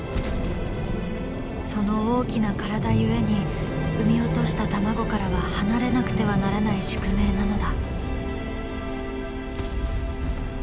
その大きな体ゆえに産み落とした卵からは離れなくてはならない宿命なのだ。